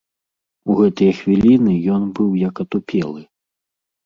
У гэтыя хвіліны ён быў як атупелы.